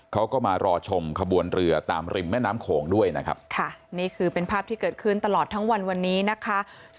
เขาก็มารอชมขบวนเรือตามริมแม่น้ำโขงด้วยนะครับค่ะนี่คือเป็นภาพที่เกิดขึ้นตลอดทั้งวันวันนี้นะคะ